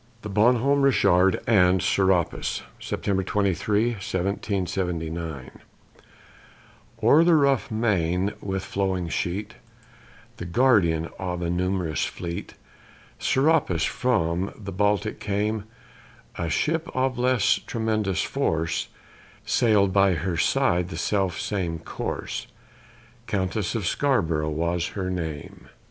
THE BONHOMME RICHARD AND SERAPIS [September 23, 1779] O'er the rough main, with flowing sheet, The guardian of a numerous fleet, Serapis from the Baltic came: A ship of less tremendous force Sail'd by her side the self same course, Countess of Scarb'ro' was her name.